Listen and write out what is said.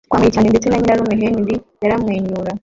Twanyweye cyane ndetse na nyirarume Henry yaramwenyura